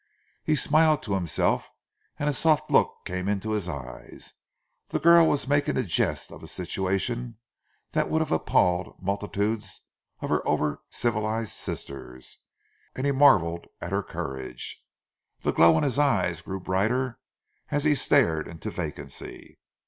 He smiled to himself, and a soft look came into his eyes. The girl was making a jest of a situation that would have appalled multitudes of her over civilized sisters, and he marvelled at her courage. The glow in his eyes grew brighter as he stared into vacancy.